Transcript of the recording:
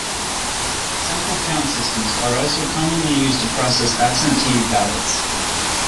Central count systems are also commonly used to process absentee ballots.